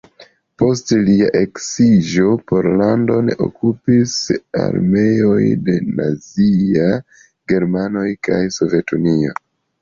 Post lia eksiĝo Pollandon okupis armeoj de Nazia Germanio kaj Sovetunio.